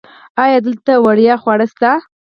ایا دلته وړیا خواړه شته؟